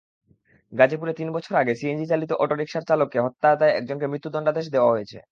গাজীপুরে তিন বছর আগে সিএনজিচালিত অটোরিকশার চালককে হত্যার দায়ে একজনকে মৃত্যুদণ্ডাদেশ দেওয়া হয়েছে।